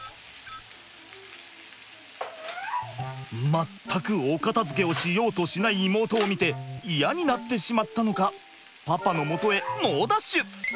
全くお片づけをしようとしない妹を見て嫌になってしまったのかパパのもとへ猛ダッシュ！